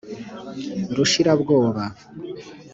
Rushirabwoba